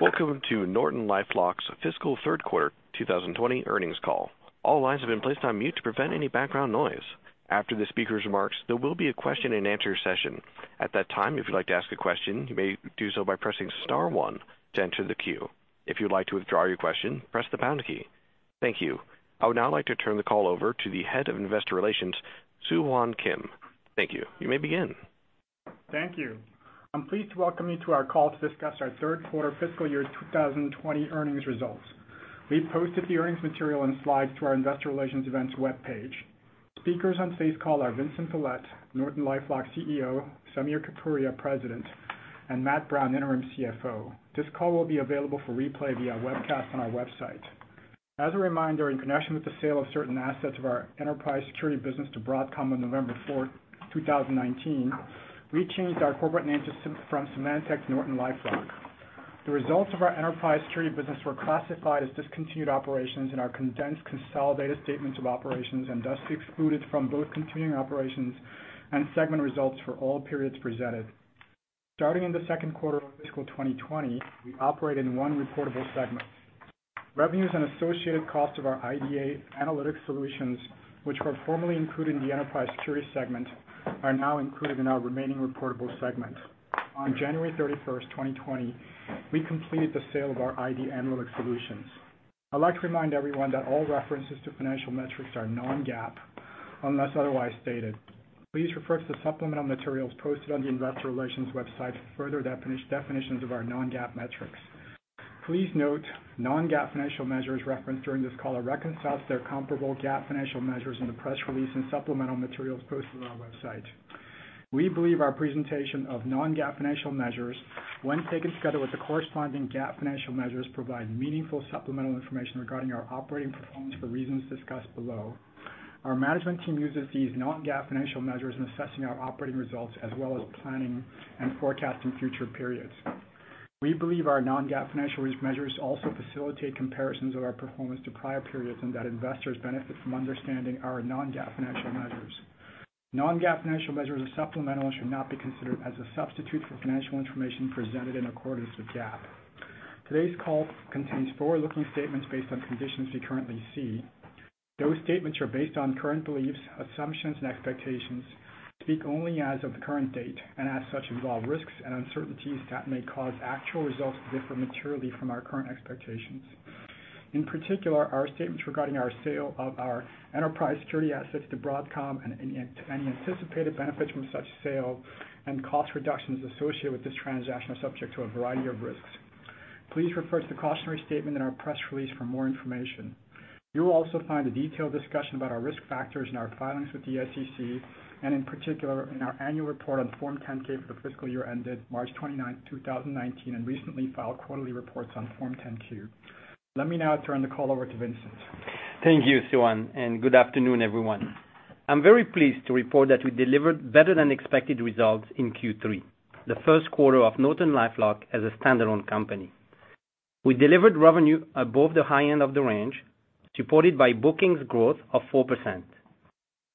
Welcome to NortonLifeLock's Fiscal Third Quarter 2020 Earnings Call. All lines have been placed on mute to prevent any background noise. After the speaker's remarks, there will be a question-and-answer session. At that time, if you'd like to ask a question, you may do so by pressing star one to enter the queue. If you'd like to withdraw your question, press the pound key. Thank you. I would now like to turn the call over to the Head of Investor Relations, Soohwan Kim. Thank you. You may begin. Thank you. I'm pleased to welcome you to our call to discuss our third quarter fiscal year 2020 earnings results. We posted the earnings material and slides to our investor relations events webpage. Speakers on today's call are Vincent Pilette, NortonLifeLock CEO, Samir Kapuria, President, and Matt Brown, interim CFO. This call will be available for replay via webcast on our website. As a reminder, in connection with the sale of certain assets of our enterprise security business to Broadcom on November fourth, 2019, we changed our corporate name from Symantec to NortonLifeLock. The results of our enterprise security business were classified as discontinued operations in our Condensed Consolidated Statements of Operations and thus excluded from both continuing operations and segment results for all periods presented. Starting in the second quarter of fiscal 2020, we operate in one reportable segment. Revenues and Associated costs of our ID Analytics solutions, which were formerly included in the Enterprise Security segment, are now included in our remaining reportable segment. On January 31st, 2020, we completed the sale of our ID Analytics solutions. I'd like to remind everyone that all references to financial metrics are non-GAAP, unless otherwise stated. Please refer to the supplemental materials posted on the investor relations website for further definitions of our non-GAAP metrics. Please note non-GAAP financial measures referenced during this call are reconciled to their comparable GAAP financial measures in the press release and supplemental materials posted on our website. We believe our presentation of non-GAAP financial measures, when taken together with the corresponding GAAP financial measures, provides meaningful supplemental information regarding our operating performance for reasons discussed below. Our management team uses these non-GAAP financial measures in assessing our operating results, as well as planning and forecasting future periods. We believe our non-GAAP financial measures also facilitate comparisons of our performance to prior periods and that investors benefit from understanding our non-GAAP financial measures. Non-GAAP financial measures are supplemental and should not be considered as a substitute for financial information presented in accordance with GAAP. Today's call contains forward-looking statements based on conditions we currently see. Those statements are based on current beliefs, assumptions, and expectations, speak only as of the current date; and, as such, involve risks and uncertainties that may cause actual results to differ materially from our current expectations. In particular, our statements regarding our sale of our enterprise security assets to Broadcom and any anticipated benefits from such sale and cost reductions associated with this transaction are subject to a variety of risks. Please refer to the cautionary statement in our press release for more information. You will also find a detailed discussion about our risk factors in our filings with the SEC, and in particular, in our annual report on Form 10-K for the fiscal year ended March 29th, 2019, and recently filed quarterly reports on Form 10-Q. Let me now turn the call over to Vincent. Thank you, Soohwan, and good afternoon, everyone. I'm very pleased to report that we delivered better-than-expected results in Q3, the first quarter of NortonLifeLock as a standalone company. We delivered revenue above the high end of the range, supported by booking growth of 4%.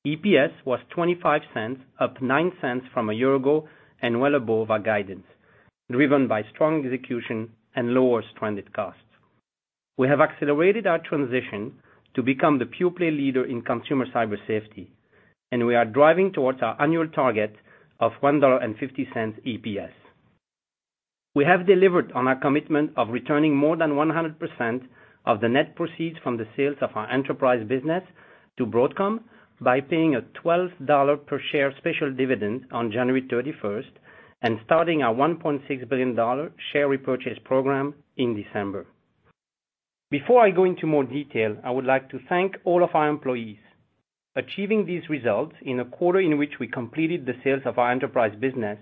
EPS was $0.25, up $0.09 from a year ago, and well above our guidance, driven by strong execution and lower stranded costs. We have accelerated our transition to become the pure-play leader in consumer cyber safety, and we are driving towards our annual target of $1.50 EPS. We have delivered on our commitment of returning more than 100% of the net proceeds from the sales of our enterprise business to Broadcom by paying a $12 per share special dividend on January 31st and starting our $1.6 billion share repurchase program in December. Before I go into more detail, I would like to thank all of our employees. Achieving these results in a quarter in which we completed the sales of our enterprise business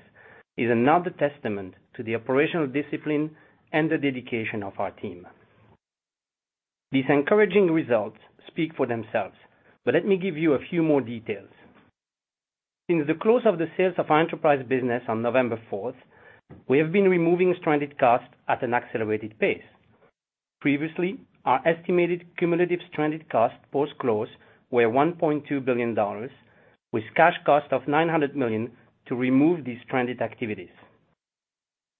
is another testament to the operational discipline and the dedication of our team. These encouraging results speak for themselves, but let me give you a few more details. Since the close of the sales of our enterprise business on November 4th, we have been removing stranded costs at an accelerated pace. Previously, our estimated cumulative stranded costs post-close were $1.2 billion, with cash costs of $900 million to remove these stranded activities.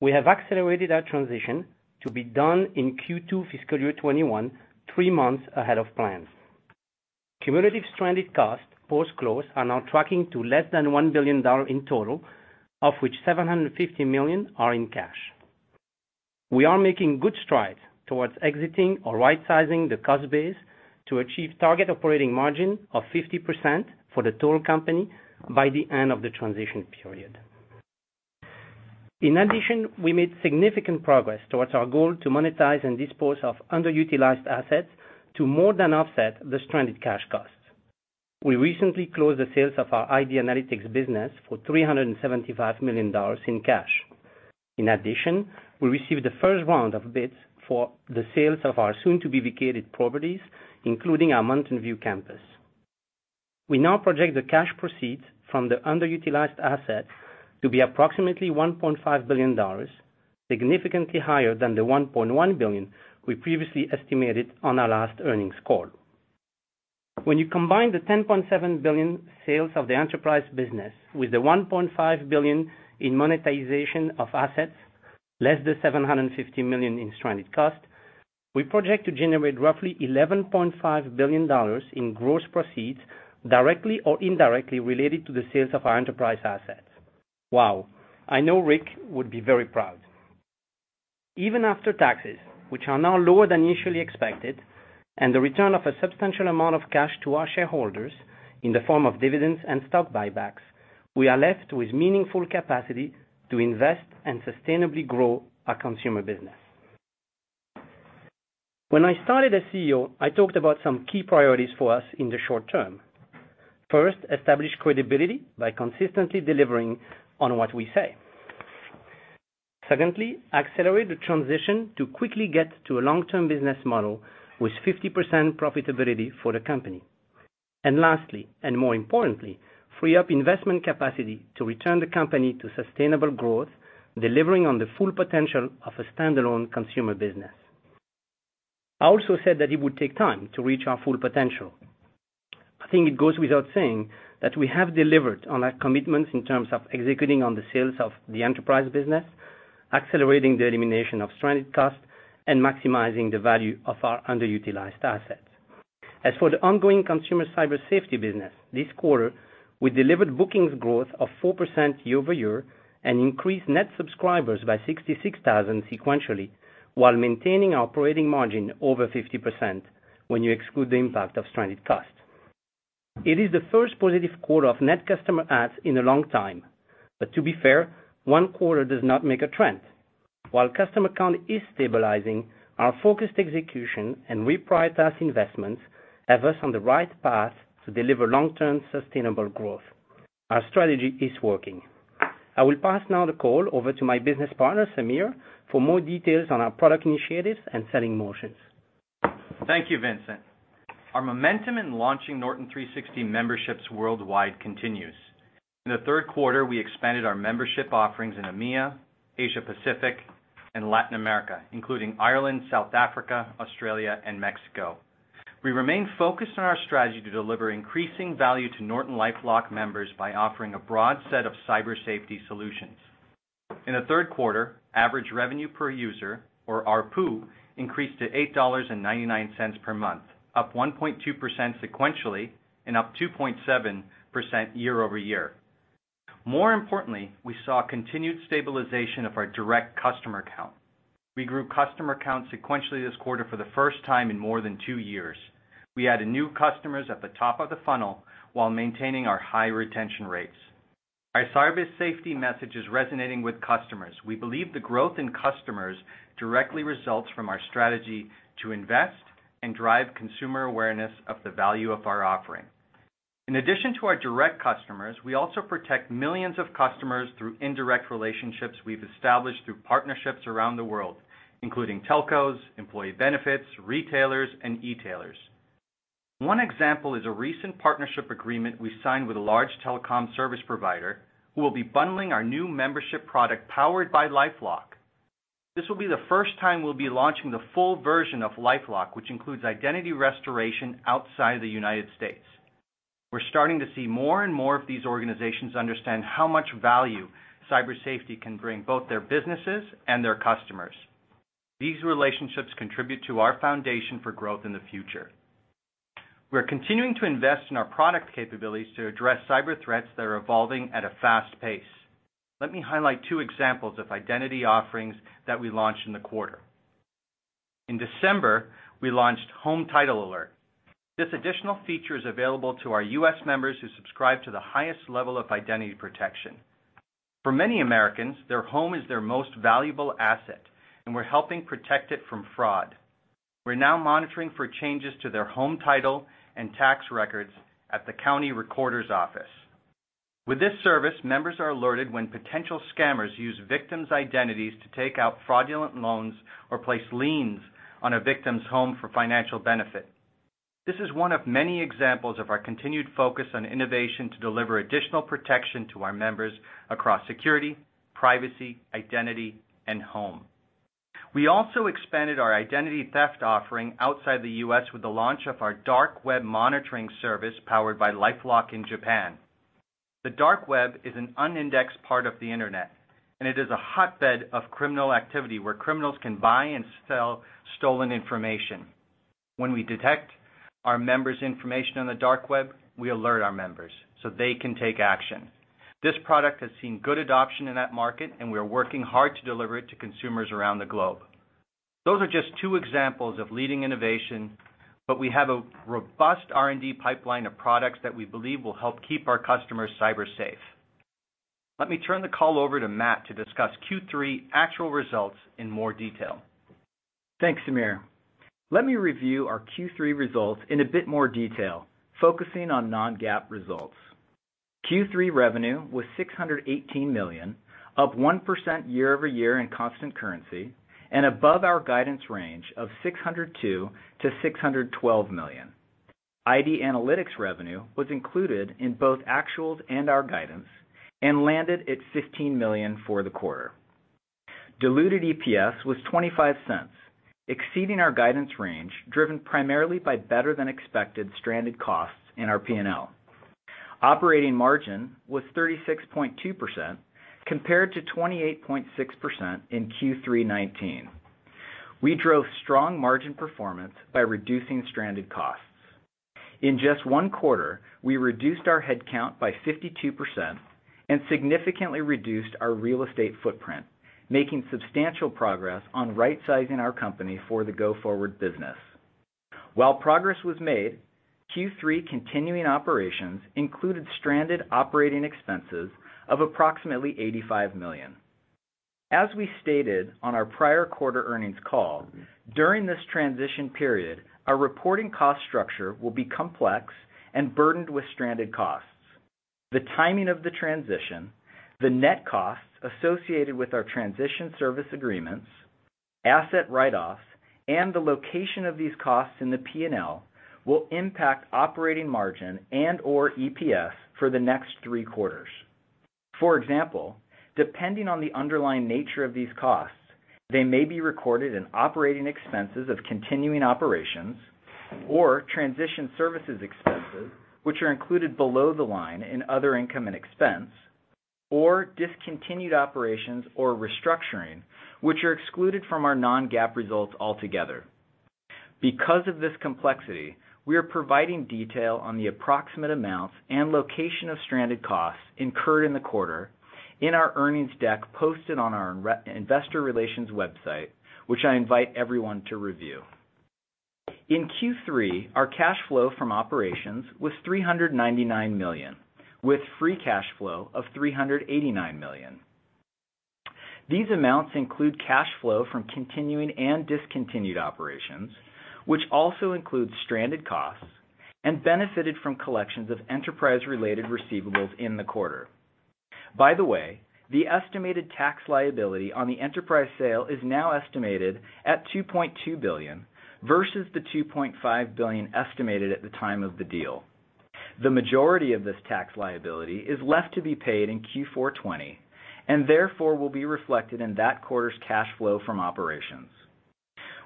We have accelerated our transition to be done in Q2 fiscal year 2021, three months ahead of plan. Cumulative stranded costs post-close are now tracking to less than $1 billion in total, of which $750 million are in cash. We are making good strides towards exiting or rightsizing the cost base to achieve a target operating margin of 50% for the total company by the end of the transition period. We made significant progress towards our goal to monetize and dispose of underutilized assets to more than offset the stranded cash costs. We recently closed the sales of our ID Analytics business for $375 million in cash. We received the first round of bids for the sales of our soon-to-be-vacated properties, including our Mountain View campus. We now project the cash proceeds from the underutilized assets to be approximately $1.5 billion, significantly higher than the $1.1 billion we previously estimated on our last earnings call. When you combine the $10.7 billion in sales of the enterprise business with the $1.5 billion in monetization of assets, less the $750 million in stranded cost, we project to generate roughly $11.5 billion in gross proceeds directly or indirectly related to the sales of our enterprise assets. Wow. I know Rick would be very proud. Even after taxes, which are now lower than initially expected, and the return of a substantial amount of cash to our shareholders in the form of dividends and stock buybacks, we are left with meaningful capacity to invest and sustainably grow our consumer business. When I started as CEO, I talked about some key priorities for us in the short term. First, establish credibility by consistently delivering on what we say. Secondly, accelerate the transition to quickly get to a long-term business model with 50% profitability for the company. Lastly, and more importantly, free up investment capacity to return the company to sustainable growth, delivering on the full potential of a standalone consumer business. I also said that it would take time to reach our full potential. I think it goes without saying that we have delivered on our commitments in terms of executing on the sales of the enterprise business, accelerating the elimination of stranded costs, and maximizing the value of our underutilized assets. As for the ongoing consumer Cyber Safety business, this quarter, we delivered bookings growth of 4% year-over-year and increased net subscribers by 66,000 sequentially while maintaining our operating margin over 50% when you exclude the impact of stranded costs. It is the first positive quarter of net customer adds in a long time. To be fair, one quarter does not make a trend. While customer count is stabilizing, our focused execution and reprioritized investments have us on the right path to deliver long-term sustainable growth. Our strategy is working. I will pass now the call over to my business partner, Samir, for more details on our product initiatives and selling motions. Thank you, Vincent. Our momentum in launching Norton 360 memberships worldwide continues. In the third quarter, we expanded our membership offerings in EMEA, Asia Pacific, and Latin America, including Ireland, South Africa, Australia, and Mexico. We remain focused on our strategy to deliver increasing value to NortonLifeLock members by offering a broad set of cybersecurity solutions. In the third quarter, Average Revenue Per User, or ARPU, increased to $8.99 per month, up 1.2% sequentially and up 2.7% year-over-year. More importantly, we saw continued stabilization of our direct customer count. We grew customer count sequentially this quarter for the first time in more than two years. We added new customers at the top of the funnel while maintaining our high retention rates. Our cyber safety message is resonating with customers. We believe the growth in customers directly results from our strategy to invest and drive consumer awareness of the value of our offering. In addition to our direct customers, we also protect millions of customers through indirect relationships we've established through partnerships around the world, including telcos, employee benefits, retailers, and e-tailers. One example is a recent partnership agreement we signed with a large telecom service provider who will be bundling our new membership product, Powered by LifeLock. This will be the first time we'll be launching the full version of LifeLock, which includes identity restoration outside the United States. We're starting to see more and more of these organizations understand how much value cyber safety can bring both their businesses and their customers. These relationships contribute to our foundation for growth in the future. We're continuing to invest in our product capabilities to address cyber threats that are evolving at a fast pace. Let me highlight two examples of identity offerings that we launched in the quarter. In December, we launched Home Title Alert. This additional feature is available to our U.S. members who subscribe to the highest level of identity protection. For many Americans, their home is their most valuable asset, and we're helping protect it from fraud. We're now monitoring for changes to their home title and tax records at the county recorder's office. With this service, members are alerted when potential scammers use victims' identities to take out fraudulent loans or place liens on a victim's home for financial benefit. This is one of many examples of our continued focus on innovation to deliver additional protection to our members across security, privacy, identity, and home. We also expanded our identity theft offering outside the U.S. with the launch of our Dark Web Monitoring service powered by LifeLock in Japan. The dark web is an unindexed part of the internet, and it is a hotbed of criminal activity where criminals can buy and sell stolen information. When we detect our members' information on the dark web, we alert our members so they can take action. This product has seen good adoption in that market, and we are working hard to deliver it to consumers around the globe. Those are just two examples of leading innovation, but we have a robust R&D pipeline of products that we believe will help keep our customers cyber-safe. Let me turn the call over to Matt to discuss Q3 actual results in more detail. Thanks, Samir. Let me review our Q3 results in a bit more detail, focusing on non-GAAP results. Q3 revenue was $618 million, up 1% year-over-year in constant currency and above our guidance range of $602 million-$612 million. ID Analytics revenue was included in both actuals and our guidance and landed at $15 million for the quarter. Diluted EPS was $0.25, exceeding our guidance range, driven primarily by better-than-expected stranded costs in our P&L. Operating margin was 36.2% compared to 28.6% in Q3 2019. We drove strong margin performance by reducing stranded costs. In just one quarter, we reduced our headcount by 52% and significantly reduced our real estate footprint, making substantial progress on rightsizing our company for the go-forward business. While progress was made, Q3 continuing operations included stranded operating expenses of approximately $85 million. As we stated on our prior quarter earnings call, during this transition period, our reporting cost structure will be complex and burdened with stranded costs. The timing of the transition, the net costs associated with our transition service agreements, asset write-offs, and the location of these costs in the P&L will impact operating margin and/or EPS for the next three quarters. For example, depending on the underlying nature of these costs, they may be recorded in operating expenses of continuing operations or transition services expenses, which are included below the line in other income and expense, or discontinued operations or restructuring, which are excluded from our non-GAAP results altogether. Because of this complexity, we are providing detail on the approximate amounts and location of stranded costs incurred in the quarter in our earnings deck posted on our investor relations website, which I invite everyone to review. In Q3, our cash flow from operations was $399 million, with free cash flow of $389 million. These amounts include cash flow from continuing and discontinued operations, which also includes stranded costs and benefits from collections of enterprise-related receivables in the quarter. By the way, the estimated tax liability on the enterprise sale is now estimated at $2.2 billion versus the $2.5 billion estimated at the time of the deal. The majority of this tax liability is left to be paid in Q4 2020, and therefore, will be reflected in that quarter's cash flow from operations.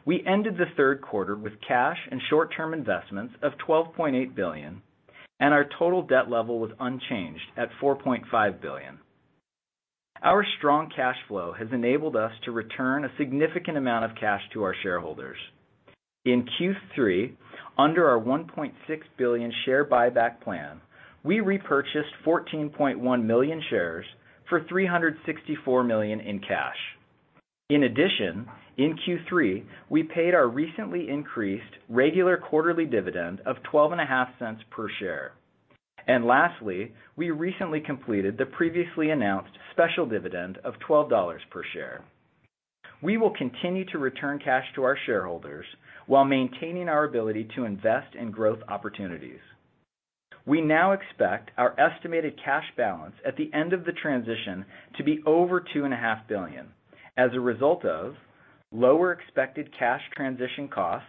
We ended the third quarter with cash and short-term investments of $12.8 billion, and our total debt level was unchanged at $4.5 billion. Our strong cash flow has enabled us to return a significant amount of cash to our shareholders. In Q3, under our $1.6 billion share buyback plan, we repurchased 14.1 million shares for $364 million in cash. In addition, in Q3, we paid our recently increased regular quarterly dividend of $0.125 per share. Lastly, we recently completed the previously announced special dividend of $12 per share. We will continue to return cash to our shareholders while maintaining our ability to invest in growth opportunities. We now expect our estimated cash balance at the end of the transition to be over $2.5 billion as a result of lower expected cash transition costs,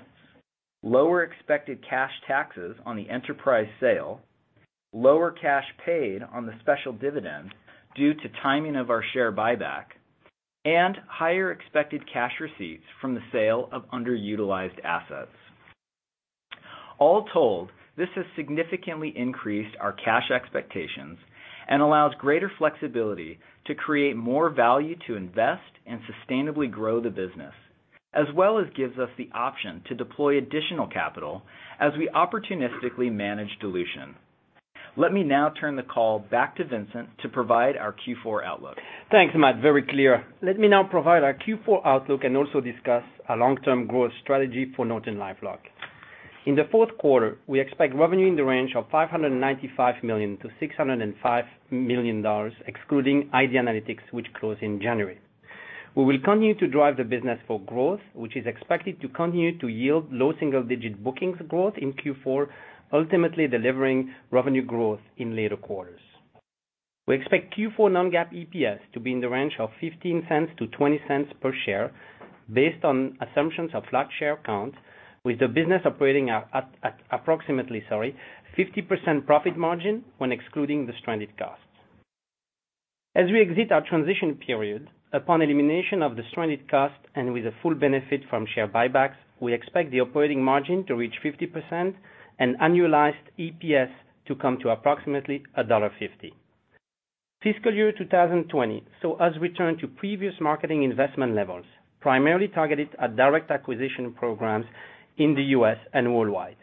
lower expected cash taxes on the enterprise sale, lower cash paid on the special dividend due to the timing of our share buyback, and higher expected cash receipts from the sale of underutilized assets. All told, this has significantly increased our cash expectations and allows greater flexibility to create more value to invest and sustainably grow the business, as well as gives us the option to deploy additional capital as we opportunistically manage dilution. Let me now turn the call back to Vincent to provide our Q4 outlook. Thanks, Matt. Very clear. Let me now provide our Q4 outlook and also discuss our long-term growth strategy for NortonLifeLock. In the fourth quarter, we expect revenue in the range of $595 million-$605 million, excluding ID Analytics, which closed in January. We will continue to drive the business for growth, which is expected to continue to yield low-single-digit bookings growth in Q4, ultimately delivering revenue growth in later quarters. We expect Q4 non-GAAP EPS to be in the range of $0.15-$0.20 per share based on assumptions of flat share count with the business operating at approximately, sorry, 50% profit margin when excluding the stranded costs. As we exit our transition period, upon elimination of the stranded cost and with the full benefit from share buybacks, we expect the operating margin to reach 50% and annualized EPS to come to approximately $1.50. Fiscal year 2020 saw us return to previous marketing investment levels, primarily targeted at direct acquisition programs in the U.S. and worldwide.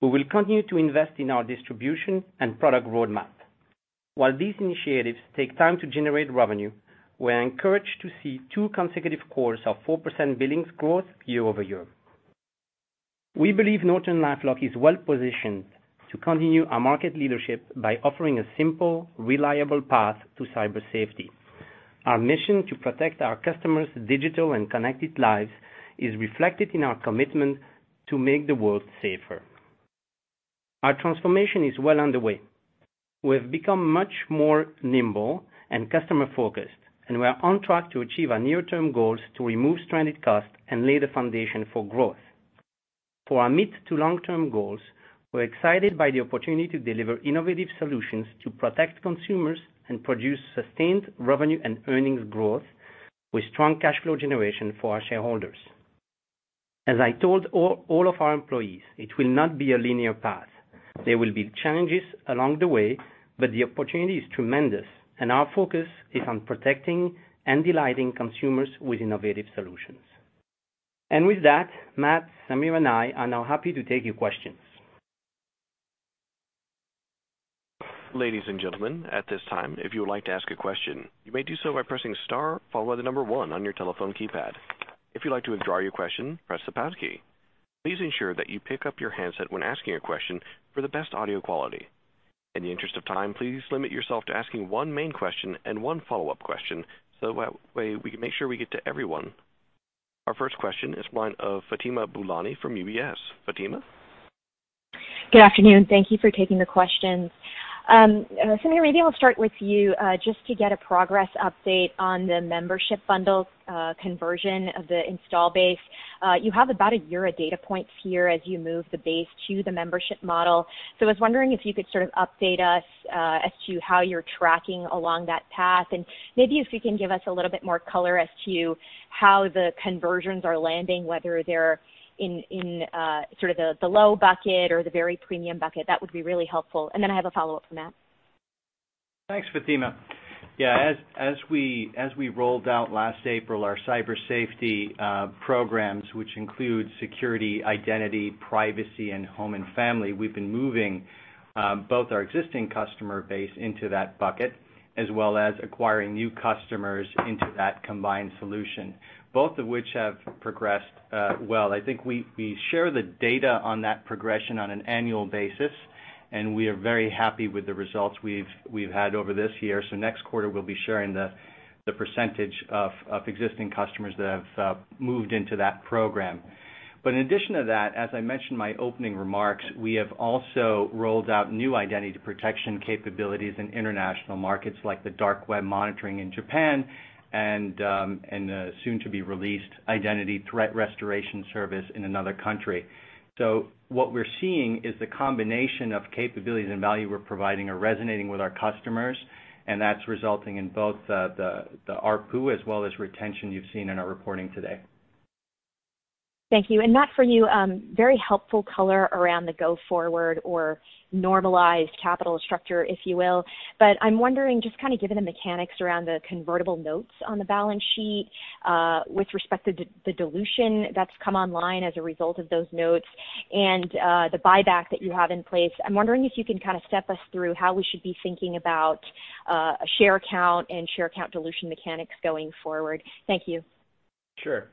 We will continue to invest in our distribution and product roadmap. While these initiatives take time to generate revenue, we are encouraged to see two consecutive quarters of 4% billings growth year-over-year. We believe NortonLifeLock is well-positioned to continue our market leadership by offering a simple, reliable path to cyber safety. Our mission to protect our customers' digital and connected lives is reflected in our commitment to make the world safer. Our transformation is well underway. We have become much more nimble and customer-focused, and we are on track to achieve our near-term goals to remove stranded costs and lay the foundation for growth. For our mid- to long-term goals, we're excited by the opportunity to deliver innovative solutions to protect consumers and produce sustained revenue and earnings growth with strong cash flow generation for our shareholders. As I told all of our employees, it will not be a linear path. There will be challenges along the way, but the opportunity is tremendous, and our focus is on protecting and delighting consumers with innovative solutions. With that, Matt, Samir, and I are now happy to take your questions. Ladies and gentlemen, at this time, if you would like to ask a question, you may do so by pressing the star followed by the number one on your telephone keypad. If you'd like to withdraw your question, press the pound key. Please ensure that you pick up your handset when asking a question for the best audio quality. In the interest of time, please limit yourself to asking one main question and one follow-up question so that way we can make sure we get to everyone. Our first question is one of Fatima Boolani from UBS. Fatima? Good afternoon. Thank you for taking the questions. Samir, maybe I'll start with you, just to get a progress update on the membership bundle conversion of the install base. You have about a year of data points here as you move the base to the membership model. I was wondering if you could sort of update us as to how you're tracking along that path, and maybe if you can give us a little bit more color as to how the conversions are landing, whether they're in sort of the low bucket or the very premium bucket. That would be really helpful. I have a follow-up for Matt. Thanks, Fatima. As we rolled out last April our cyber safety programs, which include security, identity, privacy, and home and family, we've been moving both our existing customer base into that bucket, as well as acquiring new customers into that combined solution, both of which have progressed well. I think we share the data on that progression on an annual basis. We are very happy with the results we've had over this year. Next quarter, we'll be sharing the percentage of existing customers that have moved into that program. In addition to that, as I mentioned in my opening remarks, we have also rolled out new identity protection capabilities in international markets like the Dark Web Monitoring in Japan and the soon-to-be-released identity threat restoration service in another country. What we're seeing is the combination of capabilities and value we're providing is resonating with our customers, and that's resulting in both the ARPU as well as the retention you've seen in our reporting today. Thank you. Matt, for you, a very helpful color around the go-forward or normalized capital structure, if you will. I'm wondering, just kind of given the mechanics around the convertible notes on the balance sheet with respect to the dilution that's come online as a result of those notes and the buyback that you have in place, I'm wondering if you can kind of step us through how we should be thinking about share count and share count dilution mechanics going forward. Thank you. Sure.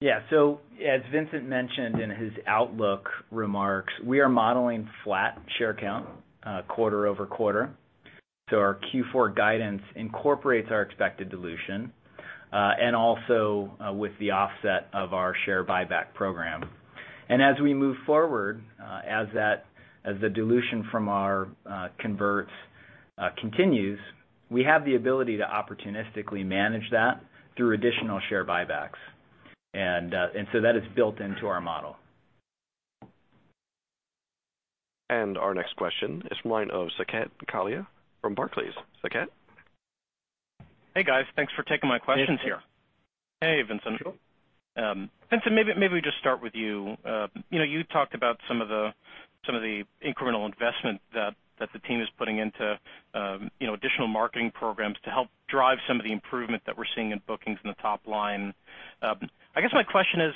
Yeah. As Vincent mentioned in his outlook remarks, we are modeling flat share count quarter-over-quarter. Our Q4 guidance incorporates our expected dilution and also the offset of our share buyback program. As we move forward, as the dilution from our converts continues, we have the ability to opportunistically manage that through additional share buybacks. That is built into our model. Our next question is from the line of Saket Kalia from Barclays. Saket? Hey, guys. Thanks for taking my questions here. Hey, Saket. Hey Vincent. Vincent, maybe we just start with you. You talked about some of the incremental investment that the team is putting into additional marketing programs to help drive some of the improvement that we're seeing in bookings in the top line. I guess my question is,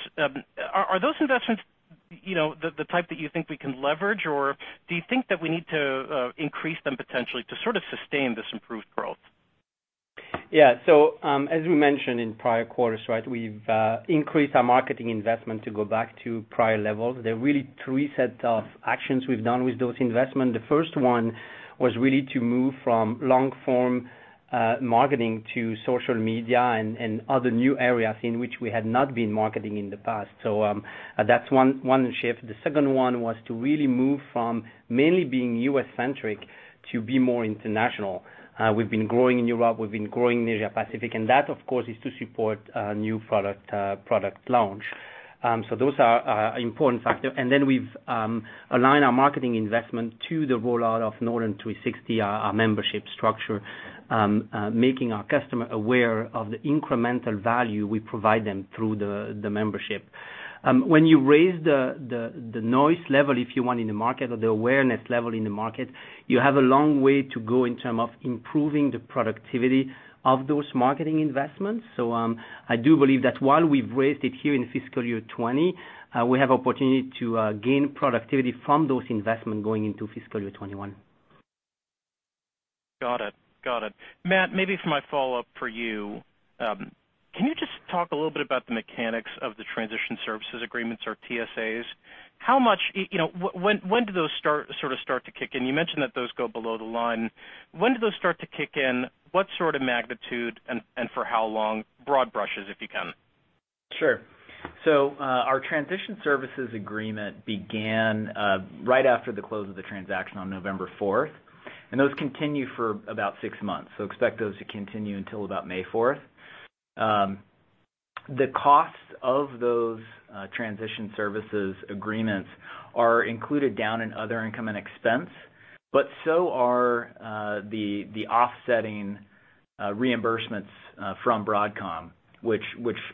are those investments the type that you think we can leverage, or do you think that we need to increase them potentially to sort of sustain this improved growth? Yeah. As we mentioned in prior quarters, we've increased our marketing investment to go back to prior levels. There are really three sets of actions we've done with those investments. The first one was really to move from long-form marketing to social media and other new areas in which we had not been marketing in the past. That's one shift. The second one was to really move from mainly being U.S.-centric to be more international. We've been growing in Europe, we've been growing in Asia-Pacific, that, of course, is to support new product launches. Those are important factors. We've aligned our marketing investment to the rollout of Norton 360, our membership structure, making our customer aware of the incremental value we provide them through the membership. When you raise the noise level, if you want, in the market or the awareness level in the market, you have a long way to go in terms of improving the productivity of those marketing investments. I do believe that while we've raised it here in fiscal year 2020, we have an opportunity to gain productivity from those investments going into fiscal year 2021. Got it. Matt, maybe for my follow-up for you, can you just talk a little bit about the mechanics of the transition services agreements or TSAs? When do those sorts of things start to kick in? You mentioned that those go below the line. When do those start to kick in, what sort of magnitude, and for how long? Broad brushes, if you can. Sure. Our transition services agreement began right after the close of the transaction on November 4th, and those continue for about six months. Expect those to continue until about May 4th. The costs of those transition services agreements are included down in other income and expense, but so are the offsetting reimbursements from Broadcom, which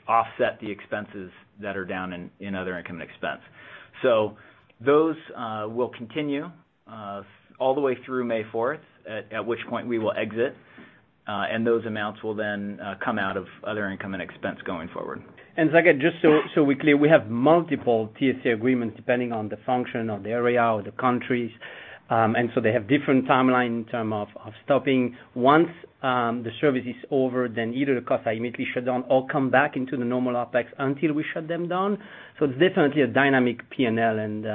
offset the expenses that are in other income expense. Those will continue all the way through May 4th, at which point we will exit, and those amounts will then come out of other income expense going forward. Saket, just so we're clear, we have multiple TSA agreements depending on the function of the area or the countries. They have different timelines in terms of stopping. Once the service is over, then either the costs are immediately shut down or come back into the normal OpEx until we shut them down. It's definitely a dynamic P&L, and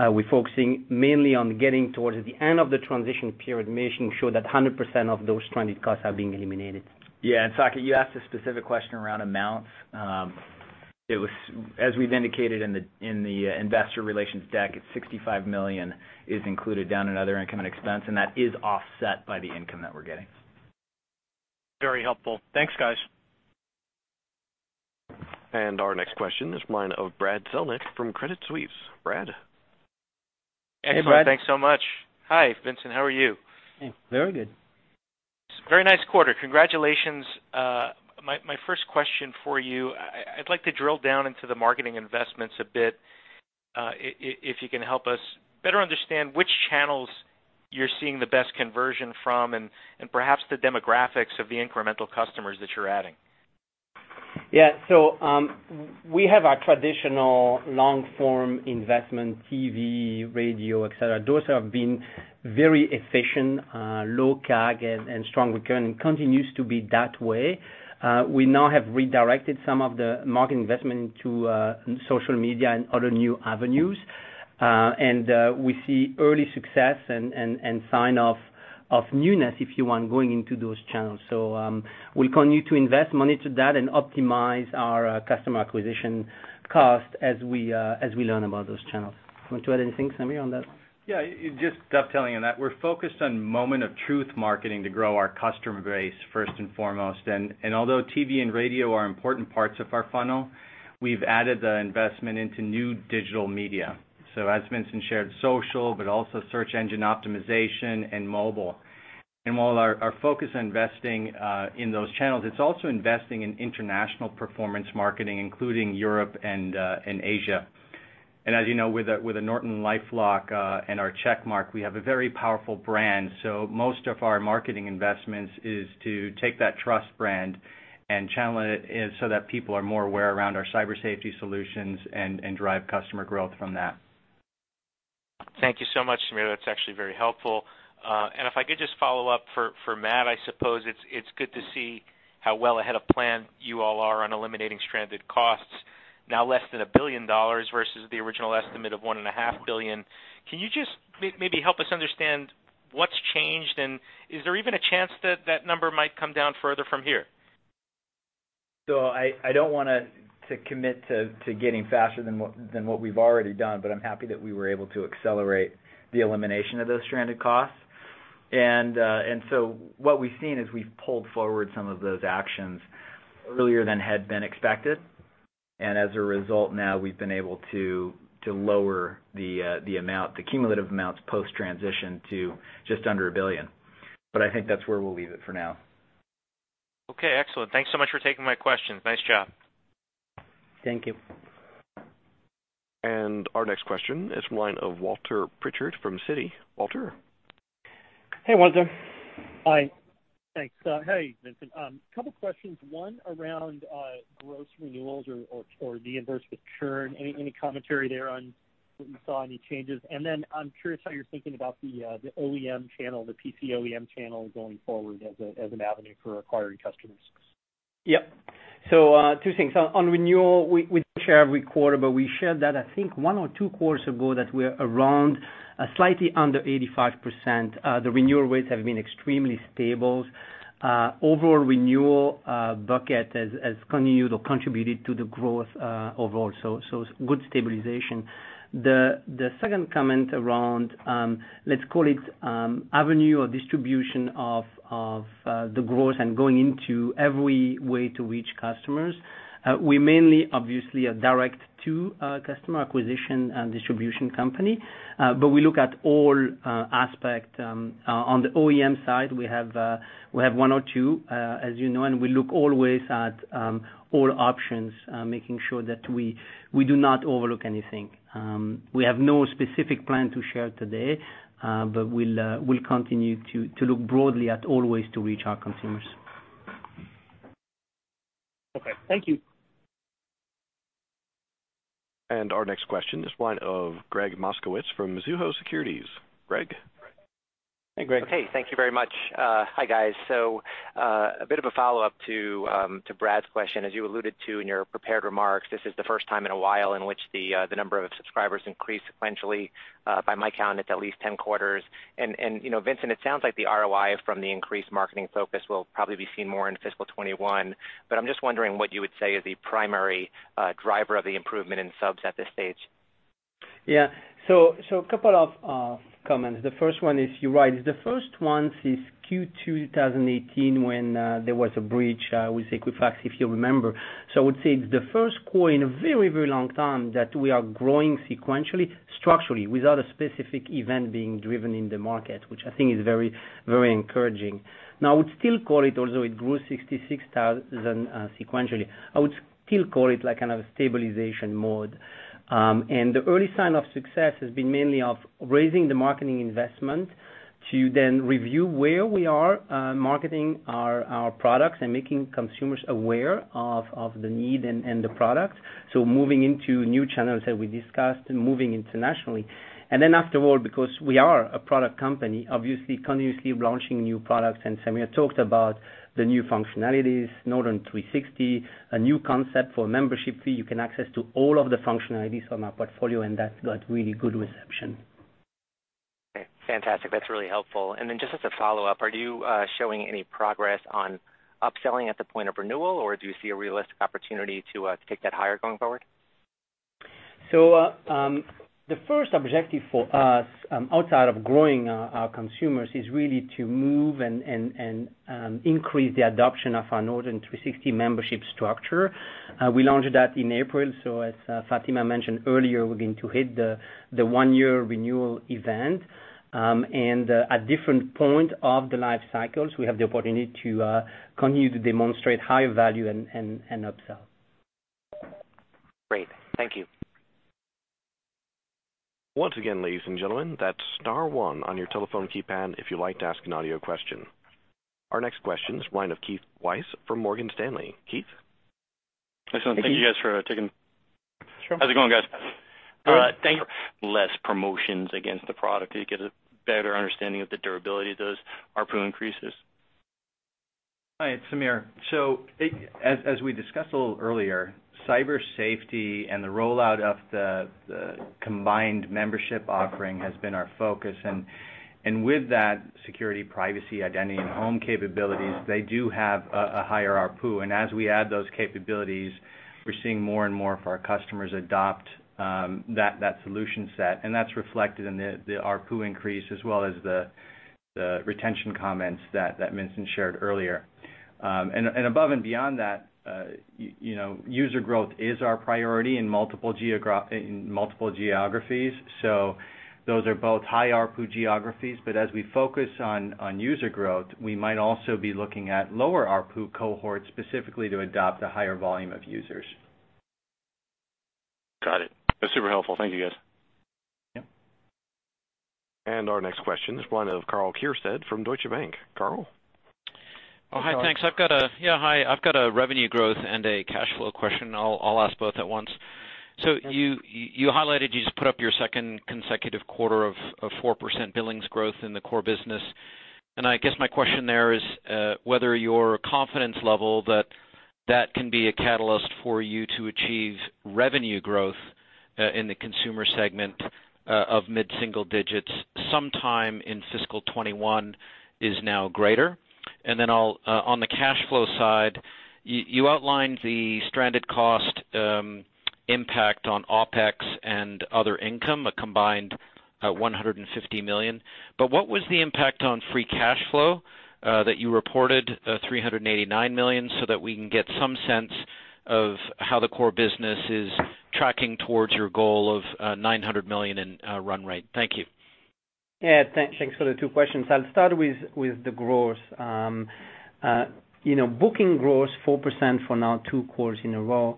we're focusing mainly on getting towards the end of the transition period, making sure that 100% of those transition costs are being eliminated. Yeah. Saket, you asked a specific question around amounts. As we've indicated in the investor relations deck, $65 million is included down in other income and expense, and that is offset by the income that we're getting. Very helpful. Thanks, guys. Our next question is from the line of Brad Zelnick from Credit Suisse. Brad. Hey, Brad. Excellent. Thanks so much. Hi, Vincent. How are you? Very good. Very nice quarter. Congratulations. My first question for you: I'd like to drill down into the marketing investments a bit. If you can help us better understand which channels you're seeing the best conversion from and perhaps the demographics of the incremental customers that you're adding. Yeah. We have our traditional long-form investment, TV, radio, et cetera. Those have been very efficient, with low CAC and strong return, and continue to be that way. We now have redirected some of the marketing investment into social media and other new avenues. We see early success and signs of newness, if you want, going into those channels. We'll continue to invest money in that and optimize our customer acquisition cost as we learn about those channels. You want to add anything, Samir, on that? Yeah. Just dovetailing on that. We're focused on moments of truth marketing to grow our customer base first and foremost. Although TV and radio are important parts of our funnel, we've added the investment into new digital media. As Vincent shared, social, but also search engine optimization and mobile. While our focus is on investing in those channels, it's also investing in international performance marketing, including Europe and Asia. As you know, with NortonLifeLock and our Checkmark, we have a very powerful brand. Most of our marketing investments are to take that trusted brand and channel it so that people are more aware of our cybersecurity solutions and drive customer growth from that. Thank you so much, Samir. That's actually very helpful. If I could just follow up for Matt, I suppose it's good to see how well ahead of plan you all are on eliminating stranded costs. Less than $1 billion versus the original estimate of $1.5 billion. Can you just maybe help us understand what's changed, and is there even a chance that that number might come down further from here? I don't want to commit to getting faster than what we've already done, but I'm happy that we were able to accelerate the elimination of those stranded costs. What we've seen is we've pulled forward some of those actions earlier than had been expected. As a result, now we've been able to lower the cumulative amounts post-transition to just under $1 billion. I think that's where we'll leave it for now. Okay, excellent. Thanks so much for taking my questions. Nice job. Thank you. Our next question is from the line of Walter Pritchard from Citi. Walter. Hey, Walter. Hi. Thanks. Hey, Vincent. Couple questions. One around gross renewals or the inverse with churn. Any commentary there on what you saw, any changes? I'm curious how you're thinking about the OEM channel, the PC OEM channel, going forward as an avenue for acquiring customers. Yep. Two things. On renewal, we don't share every quarter, but we shared that, I think, one or two quarters ago, that we're around slightly under 85%. The renewal rates have been extremely stable. Overall renewal bucket has continued or contributed to the growth overall. Good stabilization. The second comment is around, let's call it an avenue or distribution of the growth and going into every way to reach customers. We mainly obviously are a direct-to-customer acquisition and distribution company, but we look at all aspects. On the OEM side, we have one or two, as you know, and we look always at all options, making sure that we do not overlook anything. We have no specific plan to share today, but we'll continue to look broadly at all ways to reach our consumers. Okay. Thank you. Our next question is from the line of Gregg Moskowitz from Mizuho Securities. Gregg? Hey, Gregg. Hey, thank you very much. Hi, guys. A bit of a follow-up to Brad's question. As you alluded to in your prepared remarks, this is the first time in a while in which the number of subscribers increased sequentially. By my count, it's at least 10 quarters. Vincent, it sounds like the ROI from the increased marketing focus will probably be seen more in fiscal 2021, but I'm just wondering what you would say is the primary driver of the improvement in subs at this stage. A couple of comments. The first one is you're right. It's the first one since Q2 2018 when there was a breach with Equifax, if you remember. I would say it's the first quarter in a very long time that we are growing sequentially, structurally, without a specific event being driven in the market, which I think is very encouraging. Now, I would still call it that, although it grew 66,000 sequentially, I would still call it a stabilization mode. The early sign of success has been mainly raising the marketing investment to then review where we are marketing our products and making consumers aware of the need and the product. Moving into new channels that we discussed and moving internationally. Afterward, because we are a product company, obviously continuously launching new products, Samir talked about the new functionalities of Norton 360, a new concept for a membership fee. You can access all of the functionalities from our portfolio, and that got really good reception. Okay. Fantastic. That's really helpful. Just as a follow-up, are you showing any progress on upselling at the point of renewal, or do you see a realistic opportunity to take that higher going forward? The first objective for us, outside of growing our consumers, is really to move and increase the adoption of our Norton 360 membership structure. We launched that in April. As Fatima mentioned earlier, we're going to hit the one-year renewal event. At different points of the life cycles, we have the opportunity to continue to demonstrate higher value and upsell. Great. Thank you. Once again, ladies and gentlemen, that's the star one on your telephone keypad if you'd like to ask an audio question. Our next question is from Keith Weiss of Morgan Stanley. Keith? [inaudible] Sure. How's it going, guys? [inaudible] ...less promotions against the product. Do you get a better understanding of the durability of those ARPU increases? Hi, it's Samir. As we discussed a little earlier, Cyber Safety and the rollout of the combined membership offering have been our focus. With that security, privacy, identity, and home capabilities, they do have a higher ARPU. As we add those capabilities, we're seeing more and more of our customers adopt that solution set. That's reflected in the ARPU increase as well as the retention comments that Vincent shared earlier. Above and beyond that, user growth is our priority in multiple geographies. Those are both high ARPU geographies, but as we focus on user growth, we might also be looking at lower ARPU cohorts specifically to adopt a higher volume of users. Got it. That's super helpful. Thank you, guys. Yep. Our next question is from Karl Keirstead of Deutsche Bank. Karl? Oh, hi. Thanks. I've got a revenue growth and cash flow question. I'll ask both at once. You highlighted you just put up your second consecutive quarter of 4% billings growth in the core business, and I guess my question there is whether your confidence level that that can be a catalyst for you to achieve revenue growth in the consumer segment of mid-single-digits sometime in fiscal 2021, is now greater? On the cash flow side, you outlined the stranded cost impact on OpEx and other income, a combined $150 million. What was the impact on free cash flow that you reported, $389 million, so that we can get some sense of how the core business is tracking towards your goal of $900 million in run rate? Thank you. Thanks for the two questions. I'll start with the growth. Booking growth of 4% for now two quarters in a row.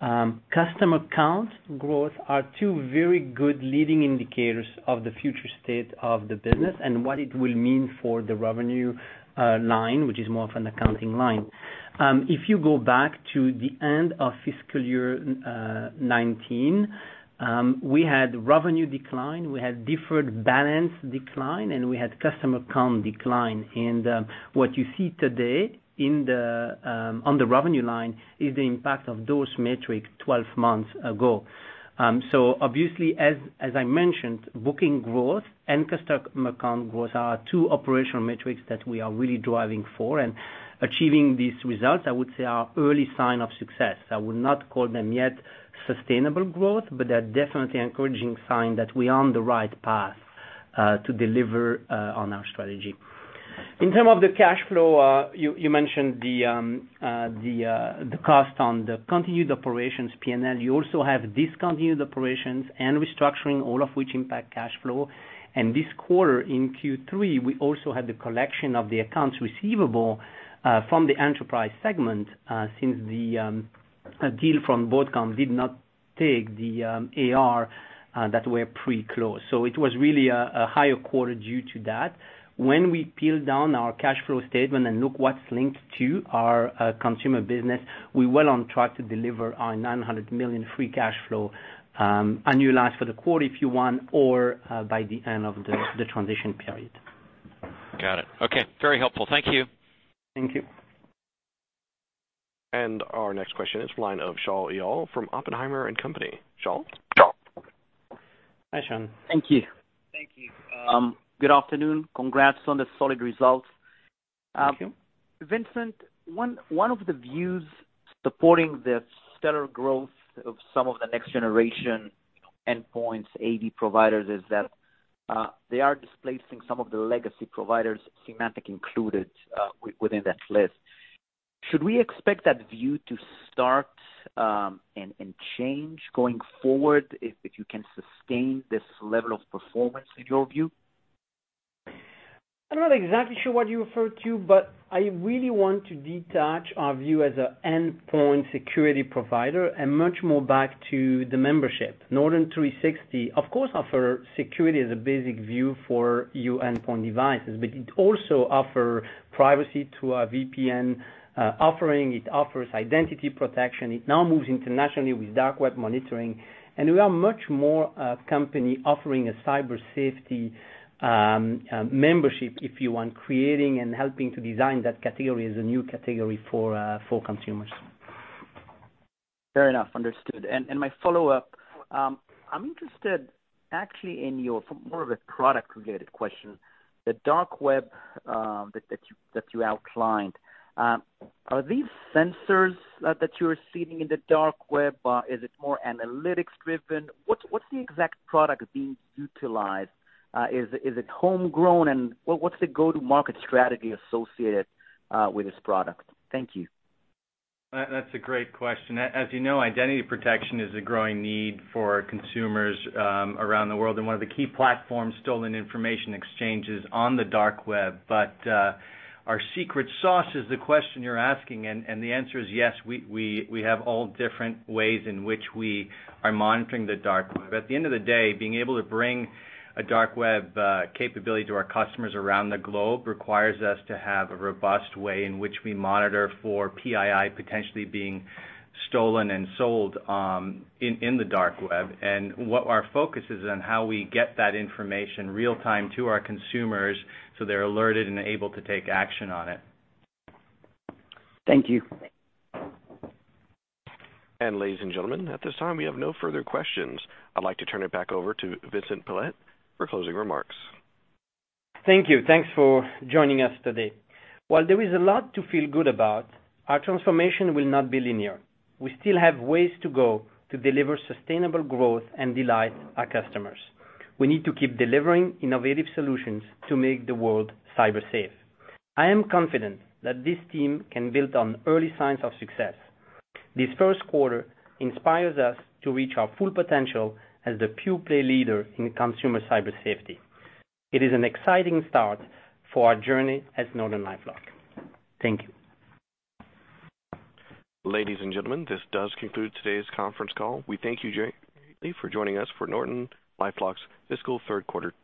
Customer count growth are two very good leading indicators of the future state of the business and what it will mean for the revenue line, which is more of an accounting line. If you go back to the end of fiscal year 2019, we had revenue decline, we had deferred balance decline, and we had customer count decline. What you see today on the revenue line is the impact of those metrics 12 months ago. Obviously, as I mentioned, booking growth and customer count growth are two operational metrics that we are really driving for, and achieving these results, I would say, is an early sign of success. I would not call them yet sustainable growth, but they're definitely an encouraging sign that we are on the right path to deliver on our strategy. In terms of the cash flow, you mentioned the cost on the continued operations P&L. You also have discontinued operations and restructuring, all of which impact cash flow. This quarter in Q3, we also had the collection of the accounts receivable from the enterprise segment since the deal from Broadcom did not take the AR that was pre-closed. It was really a higher quarter due to that. When we peel down our cash flow statement and look at what's linked to our consumer business, we're well on track to deliver our $900 million free cash flow, annualized for the quarter if you want, or by the end of the transition period. Got it. Okay. Very helpful. Thank you. Thank you. Our next question is the line of Shaul Eyal from Oppenheimer & Co. Shaul? Hi, Shaul. Thank you. Good afternoon. Congrats on the solid results. Thank you. Vincent, one of the views supporting the stellar growth of some of the next-generation endpoints AD providers is that they are displacing some of the legacy providers, Symantec included, within that list. Should we expect that view to start and change going forward if you can sustain this level of performance in your view? I'm not exactly sure what you refer to, but I really want to detach our view as an endpoint security provider and much more back to the membership. Norton 360, of course, offers security as a basic view for your endpoint devices, but it also offers privacy to our VPN offering. It offers identity protection. It now moves internationally with Dark Web Monitoring, and we are much more a company offering a cyber safety membership, if you want, creating and helping to design that category as a new category for consumers. Fair enough. Understood. My follow-up: I'm interested actually in more of a product-related question. The dark web that you outlined, are these sensors that you're seeing in the dark web? Is it more analytics-driven? What's the exact product being utilized? Is it homegrown, and what's the go-to-market strategy associated with this product? Thank you. That's a great question. As you know, identity protection is a growing need for consumers around the world, and one of the key platforms stolen information exchange is on is the dark web. Our secret sauce is the question you're asking, and the answer is yes, we have all different ways in which we are monitoring the dark web. At the end of the day, being able to bring a dark web capability to our customers around the globe requires us to have a robust way in which we monitor for PII potentially being stolen and sold in the dark web. What our focus is on is how we get that information in real-time to our consumers so they're alerted and able to take action on it. Thank you. Ladies and gentlemen, at this time, we have no further questions. I'd like to turn it back over to Vincent Pilette for closing remarks. Thank you. Thanks for joining us today. While there is a lot to feel good about, our transformation will not be linear. We still have ways to go to deliver sustainable growth and delight our customers. We need to keep delivering innovative solutions to make the world cyber-safe. I am confident that this team can build on early signs of success. This first quarter inspires us to reach our full potential as the pure-play leader in consumer cybersecurity. It is an exciting start for our journey as NortonLifeLock. Thank you. Ladies and gentlemen, this does conclude today's conference call. We thank you greatly for joining us for NortonLifeLock's fiscal third quarter 2023.